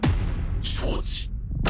承知！